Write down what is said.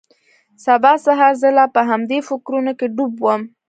سبا سهار زه لا په همدې فکرونو کښې ډوب وم.